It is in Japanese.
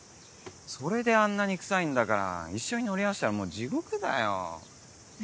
それであんなに臭いんだから一緒に乗り合わせたらもう地獄だよ